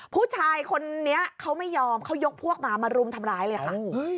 ผู้ชายคนนี้เขาไม่ยอมเขายกพวกมามารุมทำร้ายเลยค่ะ